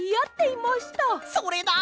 それだ！